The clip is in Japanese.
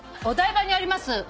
お台場にあります